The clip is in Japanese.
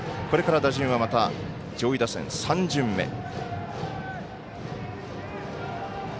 これから打順は、また上位打線、３巡目。